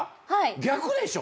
逆でしょ？